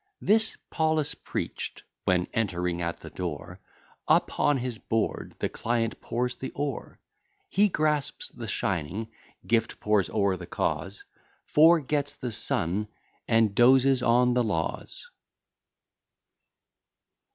This Paulus preach'd: When, entering at the door, Upon his board the client pours the ore: He grasps the shining gift, pores o'er the cause, Forgets the sun, and dozes on the laws.